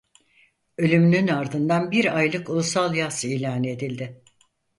Ölümünün ardından bir aylık ulusal yas ilan edildi.